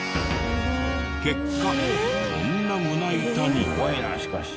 結果こんな胸板に。